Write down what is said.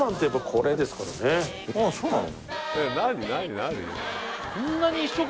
ああそうなの？